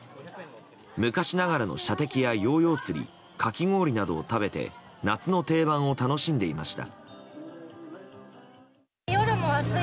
昔ながらの射的やヨーヨー釣りかき氷などを食べて夏の定番を楽しんでいました。